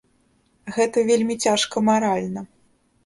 Гэта вельмі цяжка маральна.